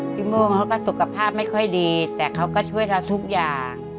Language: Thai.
โม่งเขาก็สุขภาพไม่ค่อยดีแต่เขาก็ช่วยเราทุกอย่าง